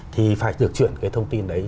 thì phải được chuyển cái thông tin đấy